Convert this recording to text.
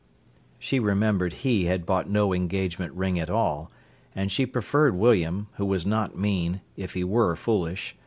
She remembered he had bought no engagement ring at all, and she preferred William, who was not mean, if he were foolish.